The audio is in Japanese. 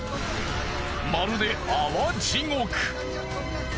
まるで泡地獄。